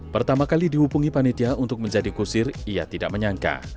pertama kali dihubungi panitia untuk menjadi kusir ia tidak menyangka